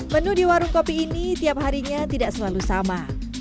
menu di warung kopi ini tiap harinya tidak selalu sama